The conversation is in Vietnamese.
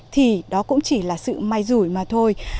thì đó cũng chỉ là sự may rủi mà thôi